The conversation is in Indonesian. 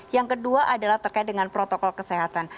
yang kedua adalah terkait dengan protokol kesehatan